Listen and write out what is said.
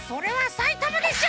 埼玉でしょ！